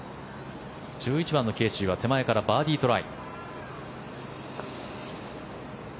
１１番のケーシーは手前からバーディートライ。